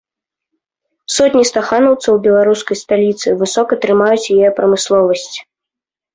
Сотні стаханаўцаў беларускай сталіцы высока трымаюць яе прамысловасць.